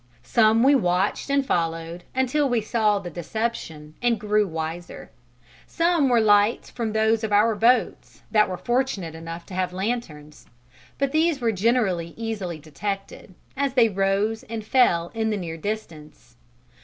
Some we watched and followed until we saw the deception and grew wiser; some were lights from those of our boats that were fortunate enough to have lanterns, but these were generally easily detected, as they rose and fell in the near distance.